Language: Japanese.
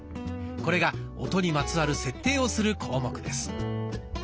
これが音にまつわる設定をする項目です。